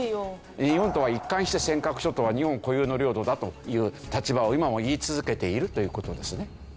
日本は一貫して尖閣諸島は日本固有の領土だという立場を今も言い続けているという事ですね。